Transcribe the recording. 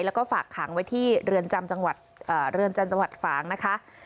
แล้วก็ฝากขังไว้ที่เรือนจำจังหวัดฝางนะคะ